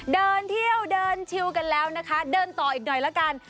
เดินเที่ยวเดินชิวกันแล้วนะคะเดินต่ออีกหน่อยละกัน